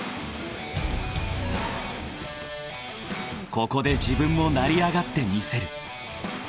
［ここで自分も成り上がってみせる］